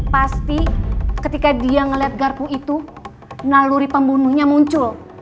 pasti ketika dia melihat garpu itu naluri pembunuhnya muncul